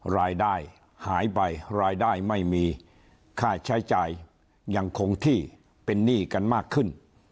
รายได้หายไปรายได้ไม่มีค่าใช้จ่ายยังคงที่เป็นหนี้กันมากขึ้น